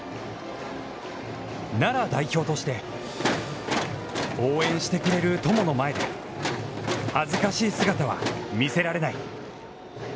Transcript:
奈良代表として応援してくれる友の前で恥ずかしい姿は見せられない。